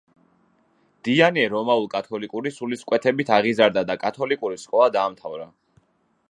დიანე რომაულ-კათოლიკური სულისკვეთებით აღიზარდა და კათოლიკური სკოლა დაამთავრა.